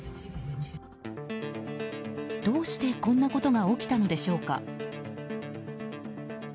どうして、こんなことが起きたのでしょうか。